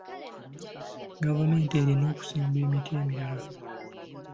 Gavumenti erina okusimba emiti emirala.